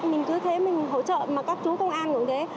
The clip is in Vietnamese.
mình cứ thế mình hỗ trợ mà các chú công an cũng thế